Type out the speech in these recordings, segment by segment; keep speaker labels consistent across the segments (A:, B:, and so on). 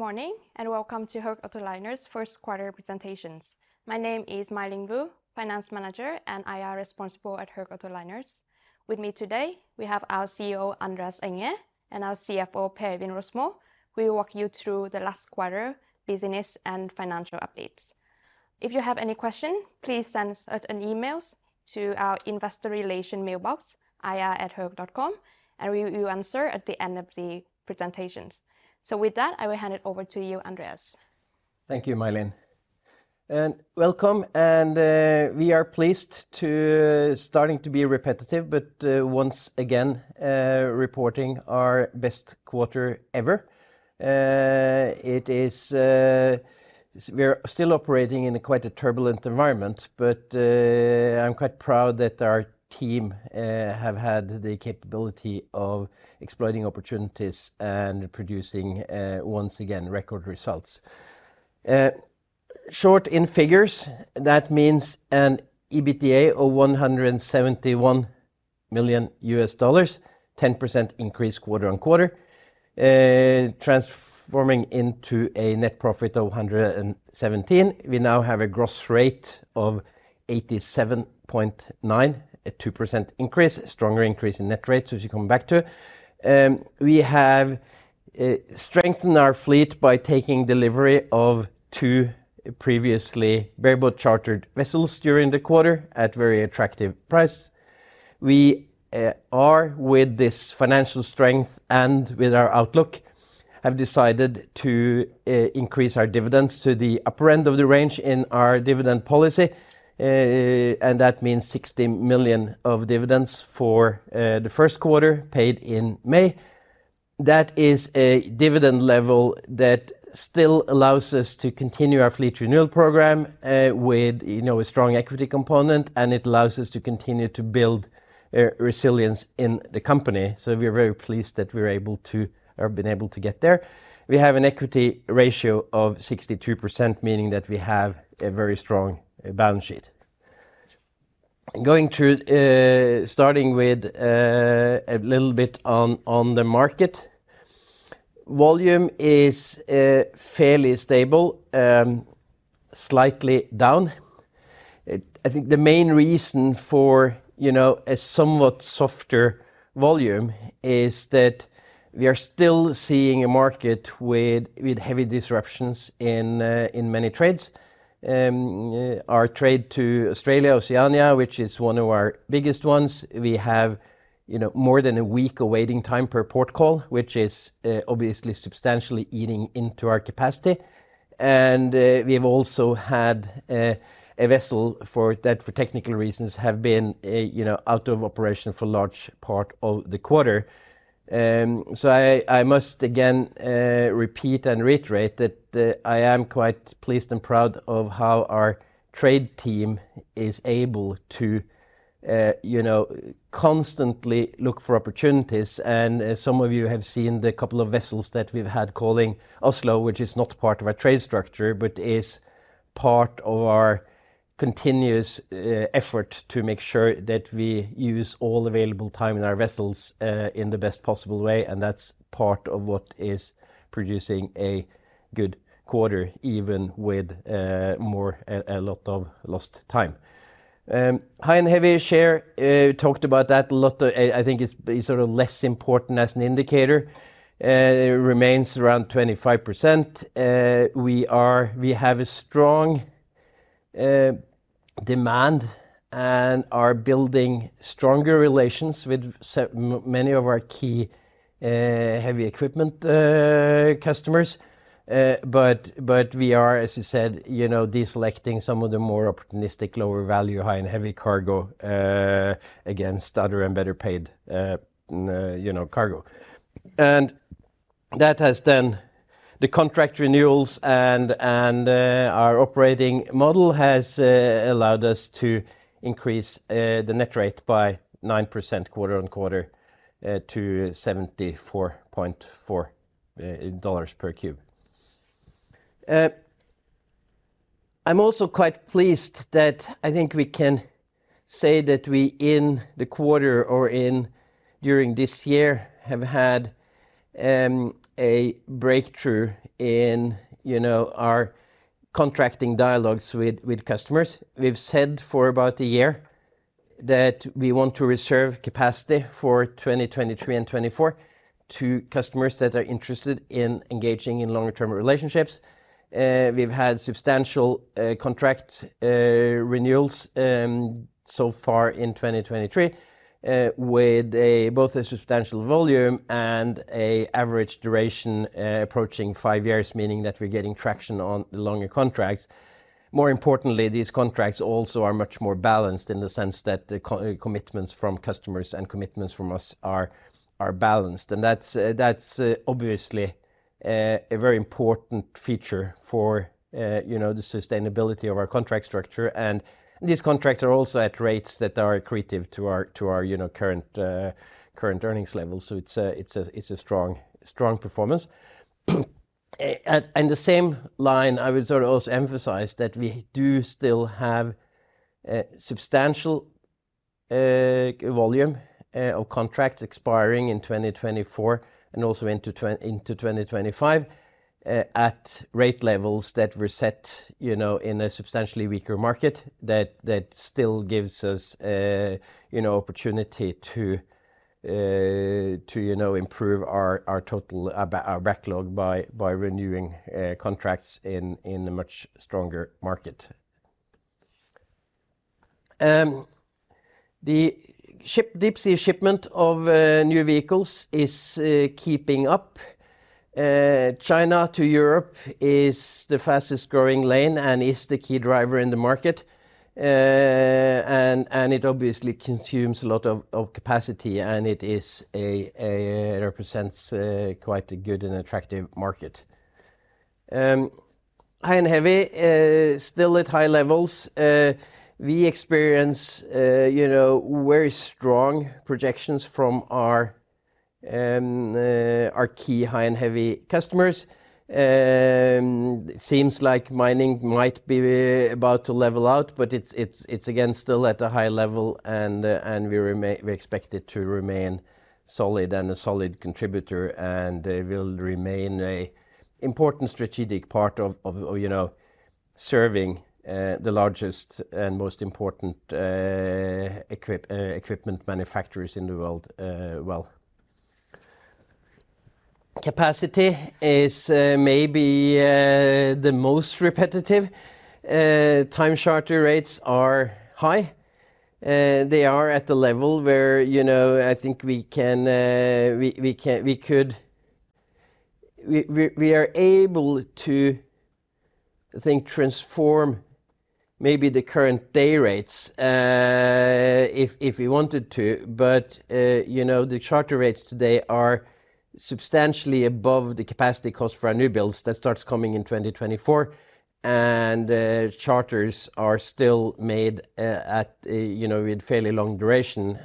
A: Good morning, welcome to Höegh Autoliners first quarter presentations. My name is My Linh Vu, finance manager and IR responsible at Höegh Autoliners. With me today, we have our CEO, Andreas Enger, and our CFO, Per Øivind Rosmo, who will walk you through the last quarter business and financial updates. If you have any question, please send us an emails to our investor relation mailbox, IR@hoegh.com, and we will answer at the end of the presentations. With that, I will hand it over to you, Andreas.
B: Thank you, My Linh Vu. Welcome, we are pleased to starting to be repetitive, but once again, reporting our best quarter ever. It is, we are still operating in a quite a turbulent environment, but I'm quite proud that our team have had the capability of exploiting opportunities and producing once again, record results. Short in figures, that means an EBITDA of $171 million, 10% increase quarter-on-quarter, transforming into a net profit of $117 million. We now have a gross rate of 87.9, a 2% increase, stronger increase in net rates, which we come back to. We have strengthened our fleet by taking delivery of two previously bareboat chartered vessels during the quarter at very attractive price. We are with this financial strength and with our outlook, have decided to increase our dividends to the upper end of the range in our dividend policy, and that means $60 million of dividends for the first quarter paid in May. That is a dividend level that still allows us to continue our fleet renewal program, with, you know, a strong equity component, and it allows us to continue to build resilience in the company. We are very pleased that we are able to or been able to get there. We have an equity ratio of 62%, meaning that we have a very strong balance sheet. Going through, starting with a little bit on the market. Volume is fairly stable, slightly down. I think the main reason for, you know, a somewhat softer volume is that we are still seeing a market with heavy disruptions in many trades. Our trade to Australia, Oceania, which is one of our biggest ones, we have, you know, more than a week of waiting time per port call, which is obviously substantially eating into our capacity. We have also had a vessel for that for technical reasons have been, you know, out of operation for large part of the quarter. I must again, repeat and reiterate that, I am quite pleased and proud of how our trade team is able to, you know, constantly look for opportunities. As some of you have seen the couple of vessels that we've had calling Oslo, which is not part of our trade structure, but is part of our continuous effort to make sure that we use all available time in our vessels in the best possible way, and that's part of what is producing a good quarter, even with a lot of lost time. High and heavy share talked about that a lot. I think it's sort of less important as an indicator. It remains around 25%. We have a strong demand and are building stronger relations with many of our key heavy equipment customers. But we are, as you said, you know, deselecting some of the more opportunistic lower value, high and heavy cargo, against other and better paid, you know, cargo. That has then the contract renewals and our operating model has allowed us to increase the net rate by 9% quarter-on-quarter, to $74.4 per cube. I'm also quite pleased that I think we can say that we in the quarter or in during this year have had a breakthrough in, you know, our contracting dialogues with customers. We've said for about a year that we want to reserve capacity for 2023 and 2024 to customers that are interested in engaging in longer-term relationships. And contract renewals so far in 2023, with both a substantial volume and an average duration approaching five years, meaning that we're getting traction on longer contracts. More importantly, these contracts also are much more balanced in the sense that the co-commitments from customers and commitments from us are balanced. That's obviously a very important feature for, you know, the sustainability of our contract structure. These contracts are also at rates that are accretive to our, to our, you know, current earnings levels. It's a strong performance. The same line, I would sort of also emphasize that we do still have substantial a volume or contracts expiring in 2024 and also into 2025, at rate levels that were set, you know, in a substantially weaker market that still gives us, you know, opportunity to, you know, improve our total our backlog by renewing contracts in a much stronger market. The deep sea shipment of new vehicles is keeping up. China to Europe is the fastest-growing lane and is the key driver in the market. It obviously consumes a lot of capacity, and it represents quite a good and attractive market. High and heavy is still at high levels. We experience, you know, very strong projections from our key high and heavy customers. Seems like mining might be about to level out, but it's again still at a high level and we expect it to remain solid and a solid contributor and will remain a important strategic part of, you know, serving the largest and most important equipment manufacturers in the world, well. Capacity is maybe the most repetitive. Time charter rates are high. They are at the level where, you know, I think we can, we are able to, I think, transform maybe the current day rates, if we wanted to. you know, the charter rates today are substantially above the capacity cost for our newbuilds that starts coming in 2024. charters are still made, at, you know, with fairly long duration.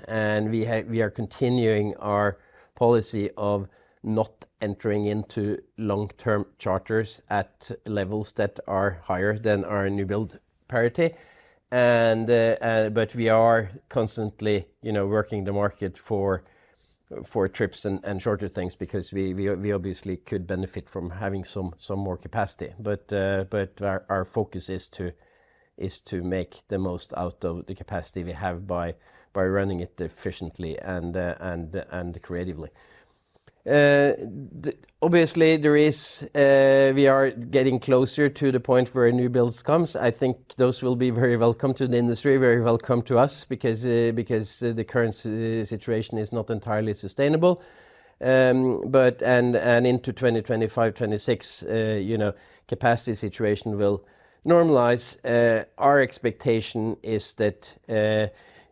B: we are continuing our policy of not entering into long-term charters at levels that are higher than our newbuild parity. but we are constantly, you know, working the market for trips and shorter things because we obviously could benefit from having more capacity. but our focus is to make the most out of the capacity we have by running it efficiently and creatively. obviously, there is, we are getting closer to the point where newbuilds comes. I think those will be very welcome to the industry, very welcome to us because the current situation is not entirely sustainable. Into 2025, 2026, you know, capacity situation will normalize. Our expectation is that,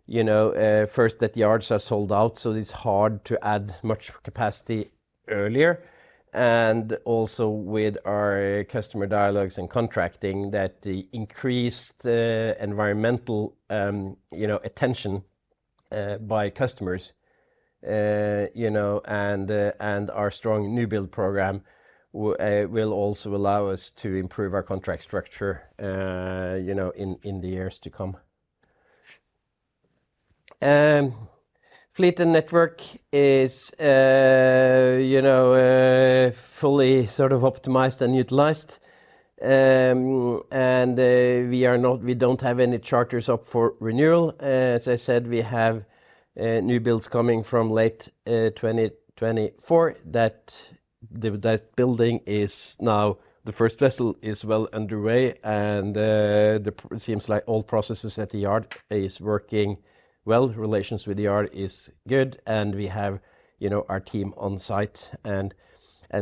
B: you know, first, that the yards are sold out, so it's hard to add much capacity earlier. Also with our customer dialogues and contracting, that the increased environmental, you know, attention by customers, you know, and our strong new build program will also allow us to improve our contract structure, you know, in the years to come. Fleet and network is, you know, fully sort of optimized and utilized. We don't have any charters up for renewal. As I said, we have new builds coming from late 2024 that the building is now the first vessel is well underway, and it seems like all processes at the yard is working well. Relations with the yard is good, and we have, you know, our team on site and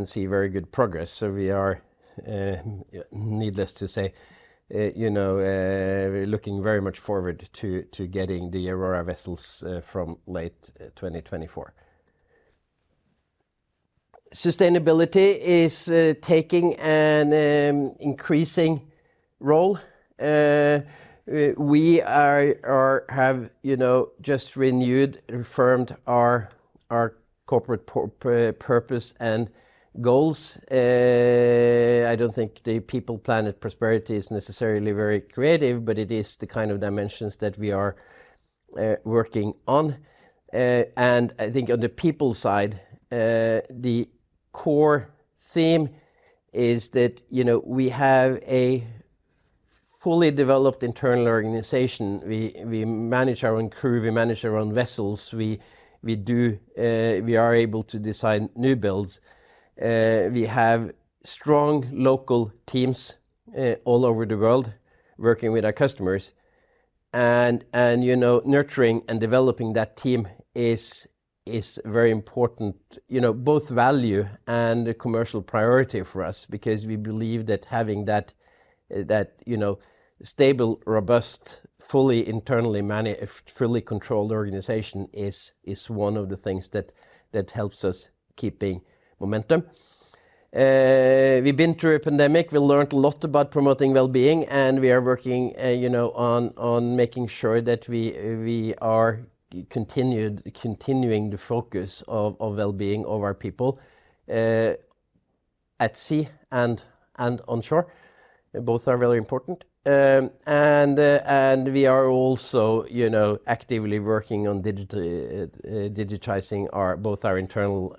B: see very good progress. We are, needless to say, you know, we're looking very much forward to getting the Aurora vessels from late 2024. Sustainability is taking an increasing role. We have, you know, just renewed, reaffirmed our corporate purpose and goals. I don't think the people, planet, prosperity is necessarily very creative, but it is the kind of dimensions that we are working on. I think on the people side, the core theme is that, you know, we have a fully developed internal organization. We manage our own crew, we manage our own vessels. We do, we are able to design new builds. We have strong local teams, all over the world working with our customers. Nurturing and developing that team is very important, you know, both value and a commercial priority for us because we believe that having that, you know, stable, robust, fully internally managed, fully controlled organization is one of the things that helps us keeping momentum. We've been through a pandemic. We learned a lot about promoting well-being, and we are working, you know, on making sure that we are continuing the focus of well-being of our people. At sea and on shore. Both are really important. And we are also, you know, actively working on digitizing our, both our internal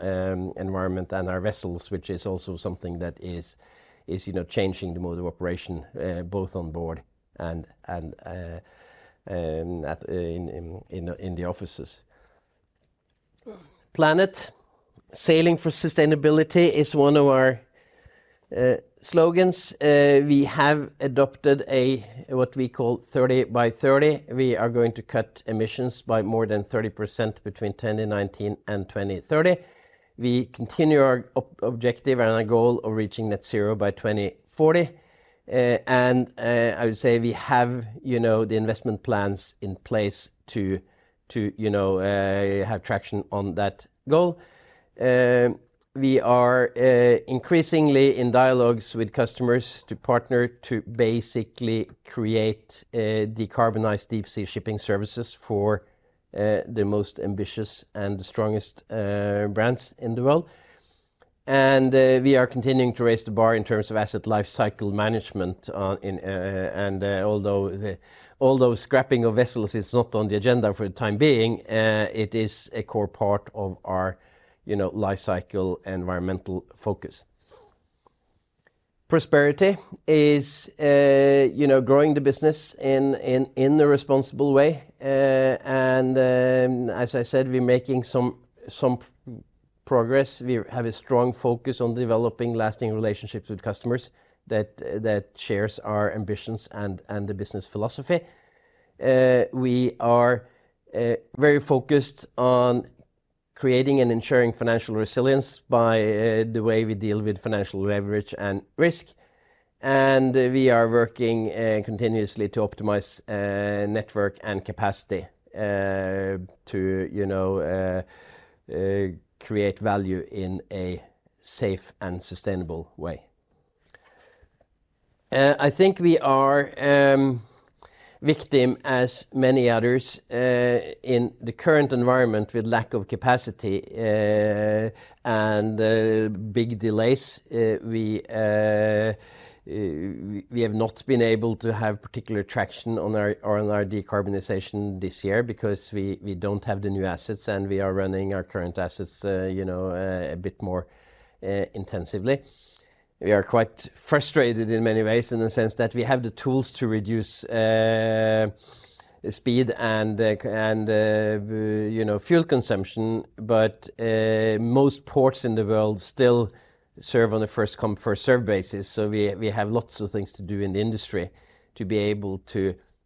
B: environment and our vessels, which is also something that is, you know, changing the mode of operation both on board and at the offices. Planet. Sailing for Sustainability is one of our slogans. We have adopted a, what we call 30 by 30. We are going to cut emissions by more than 30% between 2010 and 2019 and 2030. We continue our objective and our goal of reaching net zero by 2040. And I would say we have, you know, the investment plans in place to, you know, have traction on that goal. We are increasingly in dialogues with customers to partner to basically create a decarbonized deep-sea shipping services for the most ambitious and the strongest brands in the world. We are continuing to raise the bar in terms of asset lifecycle management, and although scrapping of vessels is not on the agenda for the time being, it is a core part of our, you know, lifecycle environmental focus. Prosperity is, you know, growing the business in a responsible way. As I said, we're making some progress. We have a strong focus on developing lasting relationships with customers that shares our ambitions and the business philosophy. We are very focused on creating and ensuring financial resilience by the way we deal with financial leverage and risk. We are working continuously to optimize network and capacity to, you know, create value in a safe and sustainable way. I think we are victim, as many others, in the current environment with lack of capacity and big delays. We have not been able to have particular traction on our decarbonization this year because we don't have the new assets, and we are running our current assets, you know, a bit more intensively. We are quite frustrated in many ways in the sense that we have the tools to reduce speed and, you know, fuel consumption. Most ports in the world still serve on a first come, first serve basis. We have lots of things to do in the industry to be able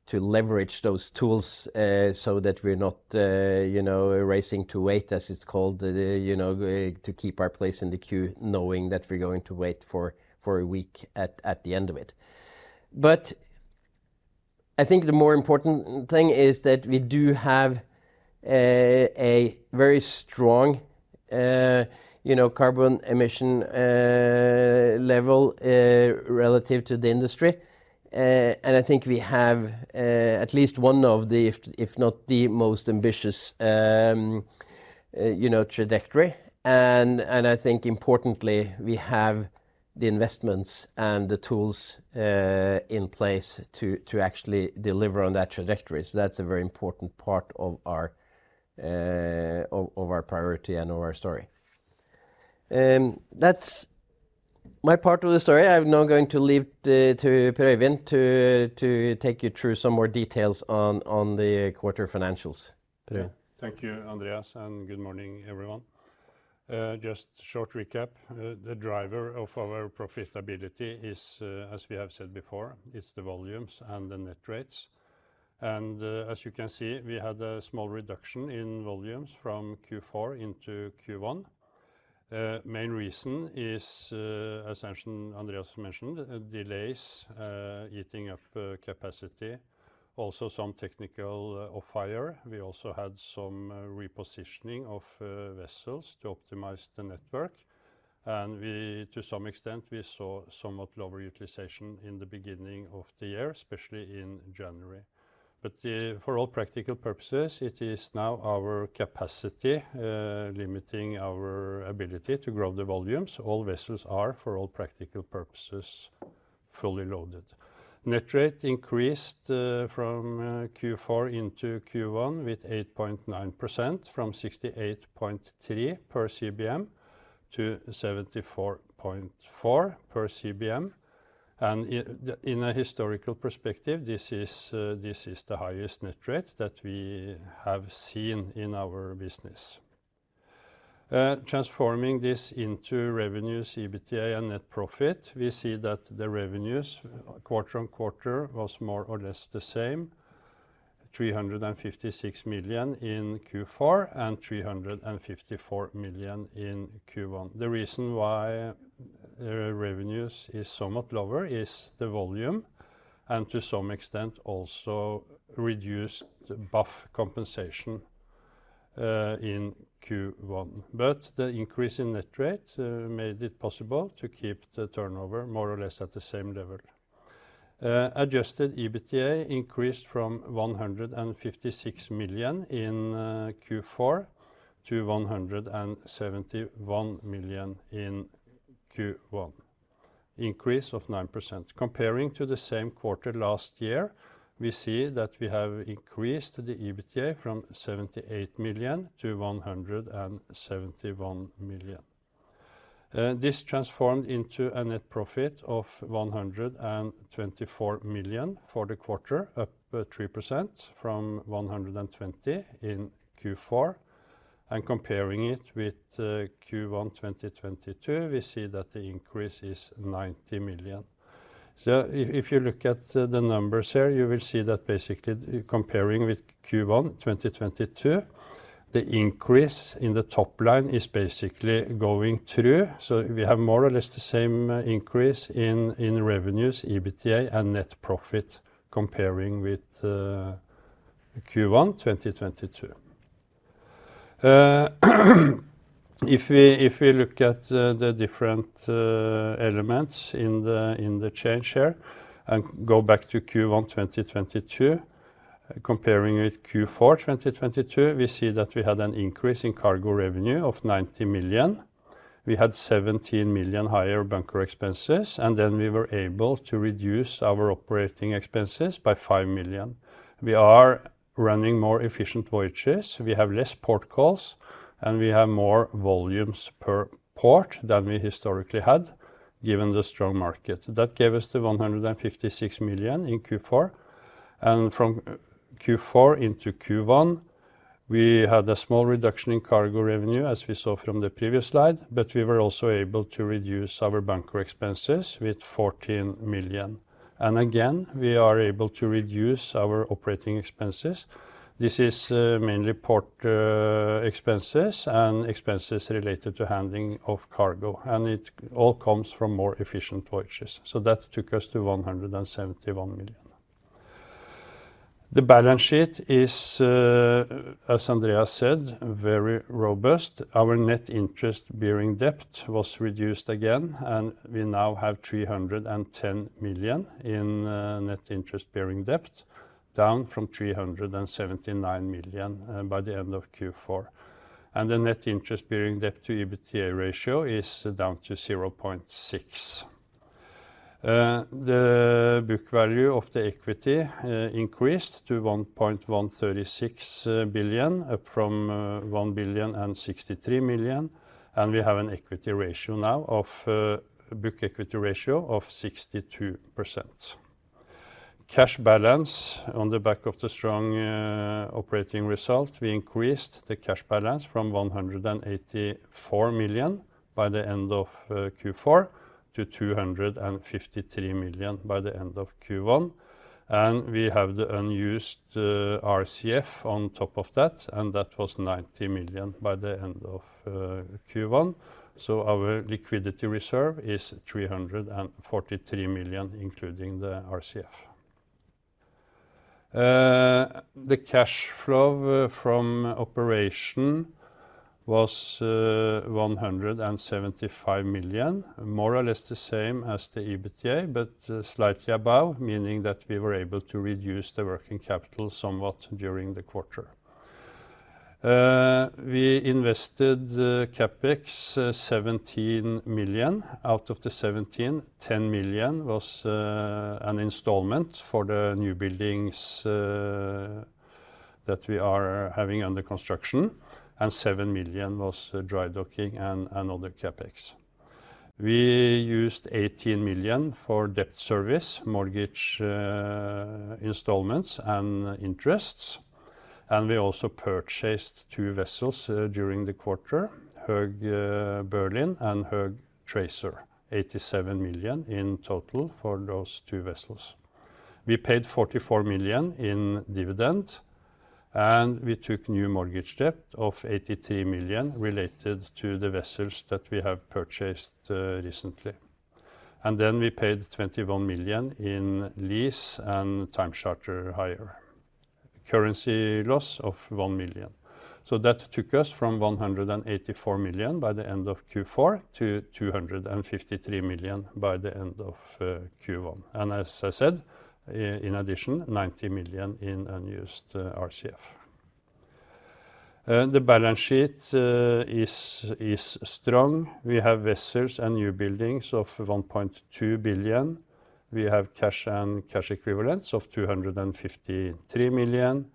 B: to leverage those tools, so that we're not, you know, racing to wait, as it's called, you know, to keep our place in the queue, knowing that we're going to wait for a week at the end of it. I think the more important thing is that we do have a very strong, you know, carbon emission level relative to the industry. I think we have at least one of the, if not the most ambitious, you know, trajectory. I think importantly, we have the investments and the tools in place to actually deliver on that trajectory. That's a very important part of our of our priority and of our story. That's my part of the story. I'm now going to leave to Per Øivind to take you through some more details on the quarter financials. Per.
C: Thank you, Andreas. Good morning, everyone. Just short recap. The driver of our profitability is, as we have said before, it's the volumes and the net rates. As you can see, we had a small reduction in volumes from Q4 into Q1. Main reason is, as mentioned, Andreas mentioned, delays, eating up capacity, also some technical off-hire. We also had some repositioning of vessels to optimize the network. We, to some extent, we saw somewhat lower utilization in the beginning of the year, especially in January. For all practical purposes, it is now our capacity limiting our ability to grow the volumes. All vessels are, for all practical purposes, fully loaded. Net rate increased from Q4 into Q1 with 8.9%, from $68.3 per CBM to $74.4 per CBM. In a historical perspective, this is the highest net rate that we have seen in our business. Transforming this into revenues, EBITDA and net profit, we see that the revenues quarter-on-quarter was more or less the same, $356 million in Q4 and $354 million in Q1. The reason why the revenues is somewhat lower is the volume and to some extent also reduced bunker compensation in Q1. The increase in net rate made it possible to keep the turnover more or less at the same level. Adjusted EBITDA increased from $156 million in Q4 to $171 million in Q1, increase of 9%. Comparing to the same quarter last year, we see that we have increased the EBITDA from $78 million-$171 million. This transformed into a net profit of $124 million for the quarter, up by 3% from $120 million in Q4. Comparing it with Q1 2022, we see that the increase is $90 million. If you look at the numbers here, you will see that basically comparing with Q1 2022, the increase in the top line is basically going through. We have more or less the same increase in revenues, EBITDA, and net profit comparing with Q1 2022. If we look at the different elements in the change here and go back to Q1 2022, comparing with Q4 2022, we see that we had an increase in cargo revenue of $90 million. We had $17 million higher bunker expenses, and then we were able to reduce our operating expenses by $5 million. We are running more efficient voyages. We have less port calls, and we have more volumes per port than we historically had, given the strong market. That gave us the $156 million in Q4. From Q4 into Q1, we had a small reduction in cargo revenue, as we saw from the previous slide, but we were also able to reduce our bunker expenses with $14 million. Again, we are able to reduce our operating expenses. This is mainly port expenses and expenses related to handling of cargo, and it all comes from more efficient voyages. That took us to $171 million. The balance sheet is, as Andrea said, very robust. Our net interest-bearing debt was reduced again, and we now have $310 million in net interest-bearing debt, down from $379 million by the end of Q4. The net interest-bearing debt to EBITDA ratio is down to 0.6. The book value of the equity increased to $1.136 billion, up from $1.063 billion, and we have an equity ratio now of book equity ratio of 62%. Cash balance on the back of the strong operating result, we increased the cash balance from $184 million by the end of Q4 to $253 million by the end of Q1. We have the unused RCF on top of that, and that was $90 million by the end of Q1. Our liquidity reserve is $343 million, including the RCF. The cash flow from operation was $175 million, more or less the same as the EBITDA, slightly above, meaning that we were able to reduce the working capital somewhat during the quarter. We invested the CapEx, $17 million. Out of the $17 million, $10 million was an installment for the new buildings that we are having under construction, and $7 million was drydocking and other CapEx. We used $18 million for debt service, mortgage installments, and interests. We also purchased two vessels during the quarter, Höegh Berlin and Höegh Tracer, $87 million in total for those two vessels. We paid $44 million in dividend. We took new mortgage debt of $83 million related to the vessels that we have purchased recently. We paid $21 million in lease and time charter hire. Currency loss of $1 million. That took us from $184 million by the end of Q4 to $253 million by the end of Q1. As I said, in addition, $90 million in unused RCF. The balance sheet is strong. We have vessels and new buildings of $1.2 billion. We have cash and cash equivalents of $253 million.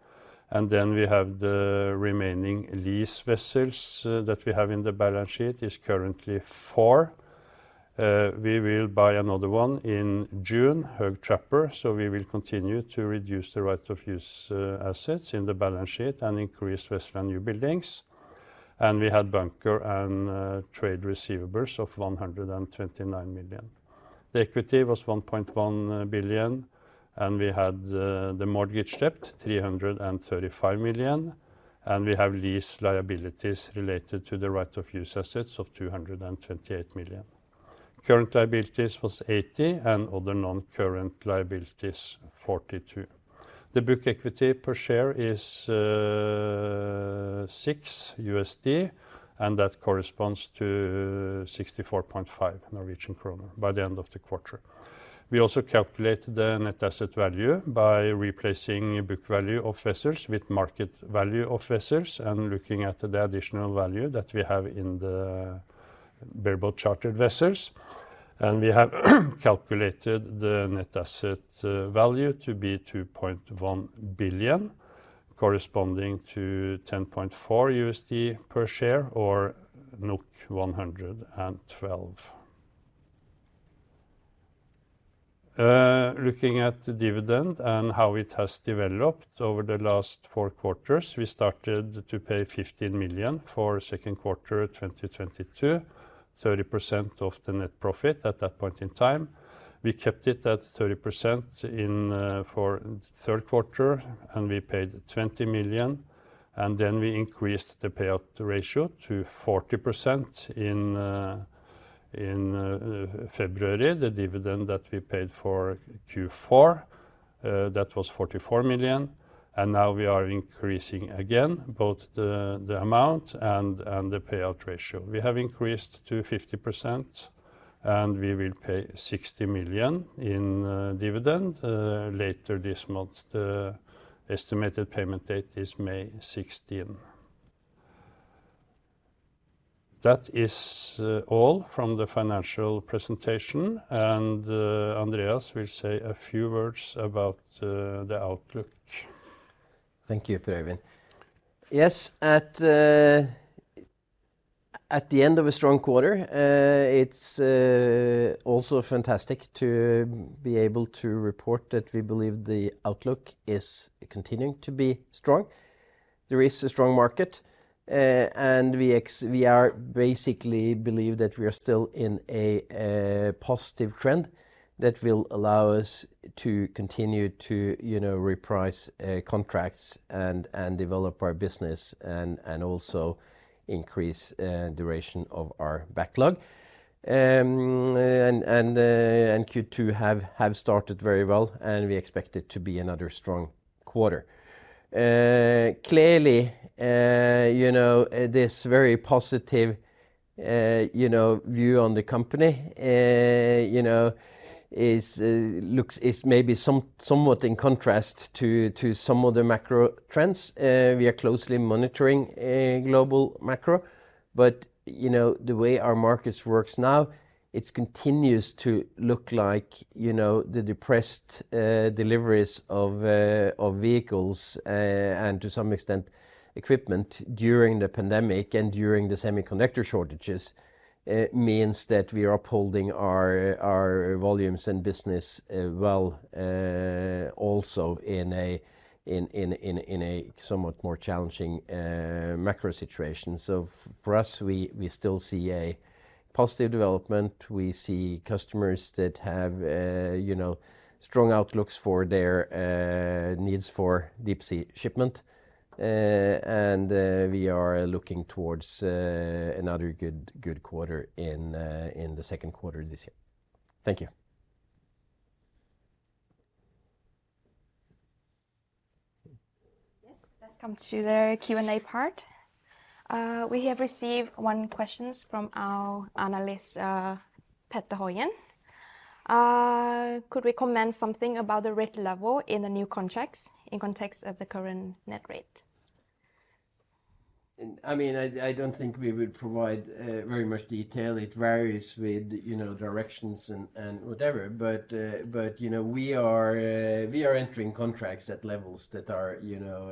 C: We have the remaining lease vessels that we have in the balance sheet is currently four. We will buy another one in June, Höegh Trapper, so we will continue to reduce the right-of-use assets in the balance sheet and increase vessels and new buildings. We had bunker and trade receivables of $129 million. The equity was $1.1 billion, and we had the mortgage debt, $335 million, and we have lease liabilities related to the right-of-use assets of $228 million. Current liabilities was $80 million, and other non-current liabilities, $42 million. The book equity per share is $6, and that corresponds to 64.5 Norwegian kroner by the end of the quarter. We also calculate the net asset value by replacing book value of vessels with market value of vessels and looking at the additional value that we have in the variable chartered vessels. We have calculated the net asset value to be $2.1 billion, corresponding to $10.4 per share or NOK 112. Looking at the dividend and how it has developed over the last four quarters, we started to pay $15 million for second quarter 2022, 30% of the net profit at that point in time. We kept it at 30% for third quarter, and we paid $20 million. Then we increased the payout ratio to 40% in February, the dividend that we paid for Q4. That was $44 million. Now we are increasing again both the amount and the payout ratio. We have increased to 50%, and we will pay $60 million in dividend later this month. The estimated payment date is May 16. That is all from the financial presentation. Andreas will say a few words about the outlook.
B: Thank you, Per. Yes, at the end of a strong quarter, it's also fantastic to be able to report that we believe the outlook is continuing to be strong. There is a strong market, and we are basically believe that we are still in a positive trend that will allow us to continue to, you know, reprice contracts and develop our business and also increase duration of our backlog. Q2 have started very well, and we expect it to be another strong quarter. Clearly, you know, this very positive, you know, view on the company, you know, is maybe somewhat in contrast to some of the macro trends. We are closely monitoring global macro. e way our markets work now, it continues to look like the depressed deliveries of vehicles and to some extent equipment during the pandemic and during the semiconductor shortages means that we are upholding our volumes and business well, also in a somewhat more challenging macro situation. So for us, we still see a positive development. We see customers that have, you know, strong outlooks for their needs for deep sea shipment. And we are looking towards another good quarter in the second quarter this year. Thank you.
A: Yes, let's come to the Q&A part. We have received one questions from our analyst, Petter Haugen. Could we comment something about the rate level in the new contracts in context of the current net rate?
B: I mean, I don't think we would provide very much detail. It varies with, you know, directions and whatever. But, you know, we are entering contracts at levels that are, you know,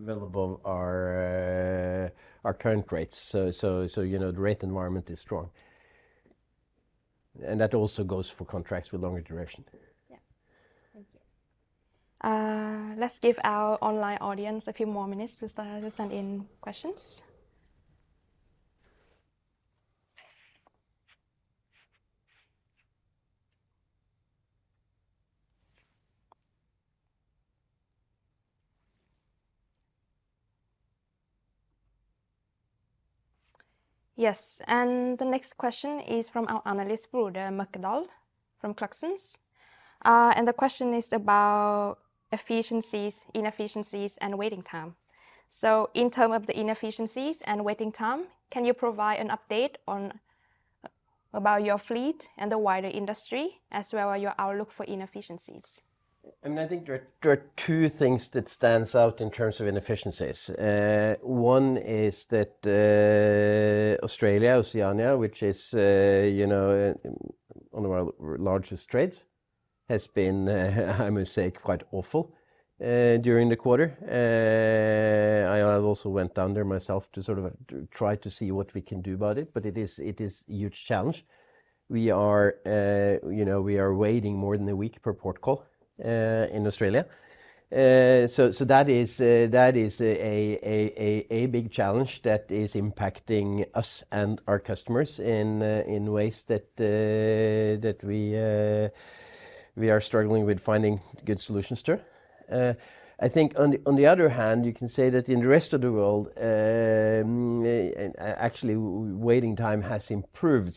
B: well above our current rates. So, you know, the rate environment is strong. That also goes for contracts with longer duration.
A: Yeah. Thank you. Let's give our online audience a few more minutes to start to send in questions. Yes, the next question is from our analyst, Frode Mørkedal from Clarksons. The question is about efficiencies, inefficiencies, and waiting time. In term of the inefficiencies and waiting time, can you provide an update about your fleet and the wider industry as well your outlook for inefficiencies?
B: I mean, I think there are two things that stands out in terms of inefficiencies. One is that Australia, Oceania, which is, you know, one of our largest trades, has been, I must say, quite awful during the quarter. I also went down there myself to sort of try to see what we can do about it, but it is huge challenge. We are, you know, we are waiting more than a week per port call in Australia. That is a big challenge that is impacting us and our customers in ways that we are struggling with finding good solutions to. I think on the, on the other hand, you can say that in the rest of the world, and actually waiting time has improved.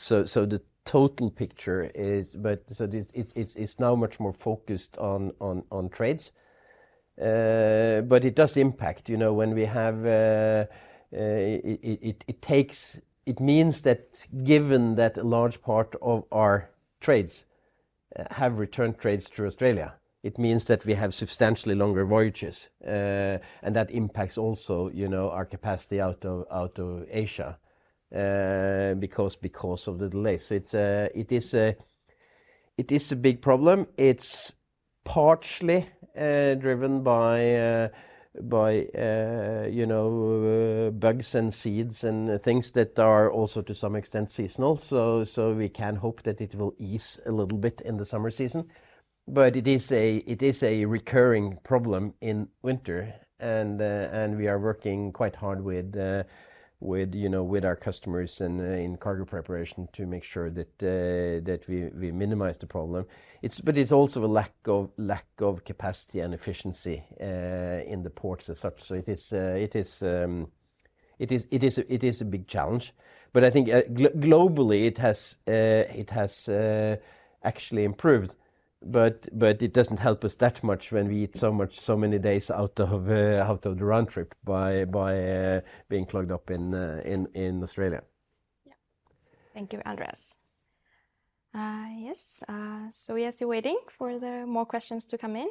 B: The total picture is but so it's now much more focused on trades. It does impact, you know, when we have, it takes it means that given that a large part of our trades have returned trades through Australia, it means that we have substantially longer voyages. That impacts also, you know, our capacity out of, out of Asia, because of the delays. It's a big problem. It's partially driven by, you know, bugs and seeds and things that are also to some extent seasonal. We can hope that it will ease a little bit in the summer season. It is a recurring problem in winter and we are working quite hard with, you know, with our customers and in cargo preparation to make sure that we minimize the problem. It's also a lack of capacity and efficiency in the ports as such. It is a big challenge. I think globally it has actually improved. It doesn't help us that much when we eat so much, so many days out of the round trip by being clogged up in Australia.
A: Thank you, Andreas. We are still waiting for the more questions to come in.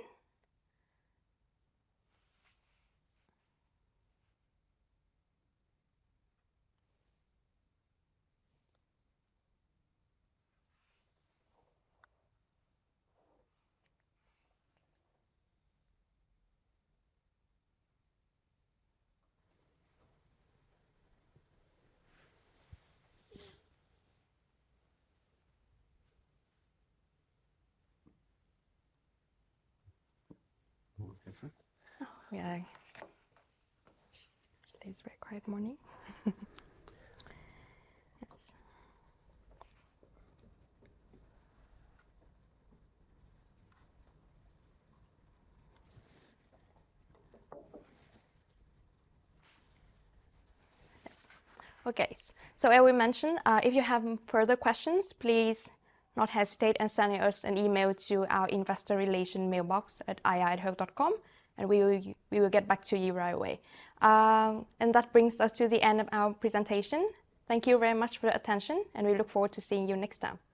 A: More questions? Today is a very quiet morning. As we mentioned, if you have further questions, please do not hesitate in sending us an email to our investor relation mailbox at IR@hoegh.com, we will get back to you right away. That brings us to the end of our presentation. Thank you very much for your attention, we look forward to seeing you next time.